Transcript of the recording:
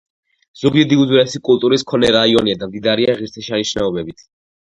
ზუგდიდი უძველესი კულტურის მქონე რაიონია და მდიდარია ღირსშესანიშნაობებით.